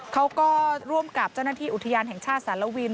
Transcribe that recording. เขาก็ร่วมกับเจ้าหน้าที่อุทยานแห่งชาติสารวิน